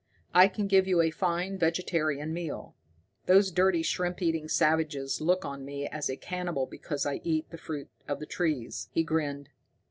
I can give you a fine vegetarian meal. Those dirty shrimp eating savages look on me as a cannibal because I eat the fruits of the trees." He grinned.